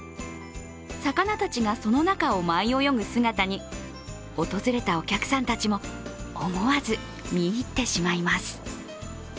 魚たちがその中を舞い泳ぐ姿に、訪れたお客さんたちも、思わず見入ってしまいます。